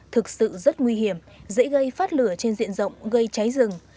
thực sự rất nguy hiểm dễ gây phát lửa trên diện rộng gây cháy rừng